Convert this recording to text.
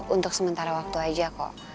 untuk sementara waktu aja kok